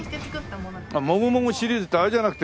もぐもぐシリーズってあれじゃなくて？